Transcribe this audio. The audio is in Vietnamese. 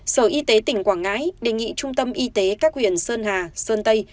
sở y tế tỉnh quảng ngãi đề nghị trung tâm y tế các huyện sơn hà sơn tây